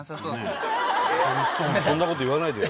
そんなこと言わないでよ。